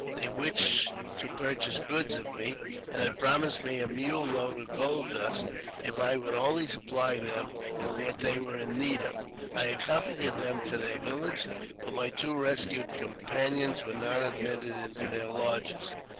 They wished to purchase goods of me, and had promised me a mule load of gold dust if I would only supply them with what they were in need of. I accompanied them to their village, but my two rescued companions were not admitted into their lodges.